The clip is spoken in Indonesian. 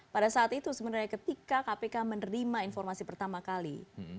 pada saat itu sebenarnya ketika kpk menerima informasi pertama kali